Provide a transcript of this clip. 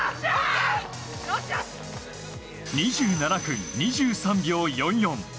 ２７分２３秒４４。